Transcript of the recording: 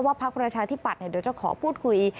พักประชาธิปัตย์เดี๋ยวจะขอพูดคุย